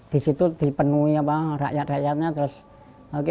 di situ dipenuhi rakyat rakyatnya